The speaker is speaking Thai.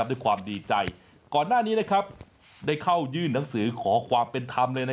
ด้วยความดีใจก่อนหน้านี้ได้เข้ายื่นหนังสือขอความเป็นธรรมเลย